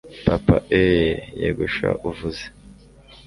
Papa eeeeh Yego sha uvuze